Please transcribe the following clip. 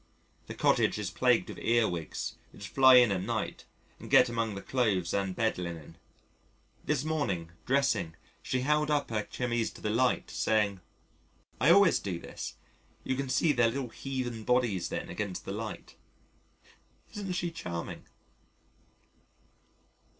The cottage is plagued with Ear wigs which fly in at night and get among the clothes and bedlinen. This morning, dressing, she held up her chemise to the light saying: "I always do this you can see their little heathen bodies then against the light...." Isn't she charming?